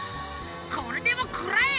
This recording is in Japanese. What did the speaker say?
これでもくらえ！